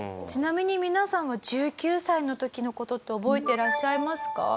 ちなみに皆さんは１９歳の時の事って覚えてらっしゃいますか？